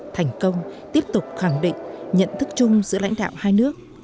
thành công tiếp tục khẳng định nhận thức chung giữa lãnh đạo hai nước